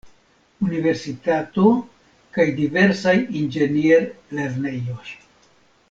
Universitato kaj diversaj inĝenier-lernejoj.